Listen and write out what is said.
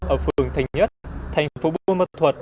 ở phường thành nhất tp bùi mà thuật